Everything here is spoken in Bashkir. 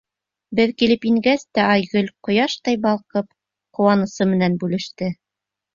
Беҙ килеп ингәс тә, Айгөл, ҡояштай балҡып, ҡыуанысы менән бүлеште.